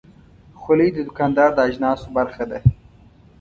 خولۍ د دوکاندار د اجناسو برخه ده.